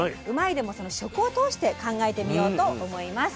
でもその食を通して考えてみようと思います。